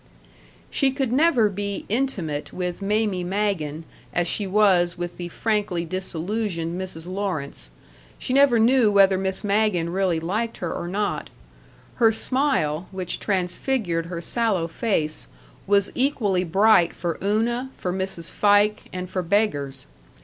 She could never be intimate with Mamie Magen as she was with the frankly disillusioned Mrs. Lawrence; she never knew whether Miss Magen really liked her or not; her smile, which transfigured her sallow face, was equally bright for Una, for Mrs. Fike, and for beggars.